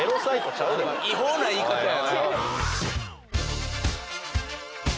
違法な言い方や。